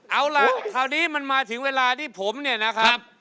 เอาละเขาดีมันมาถึงเวลาที่ผมแนะครับ